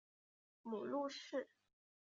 母陆氏。